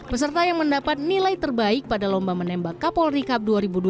peserta yang mendapat nilai terbaik pada lomba menembak kapolri cup dua ribu dua puluh